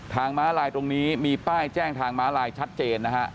ม้าลายตรงนี้มีป้ายแจ้งทางม้าลายชัดเจนนะฮะ